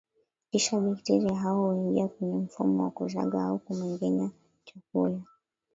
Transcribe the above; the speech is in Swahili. kisha bekteria hao huingia kwenye mfumo wa kusaga au kumengenya chakula